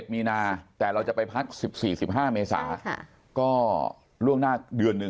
มีนาแต่เราจะไปพัก๑๔๑๕เมษาก็ล่วงหน้าเดือนหนึ่ง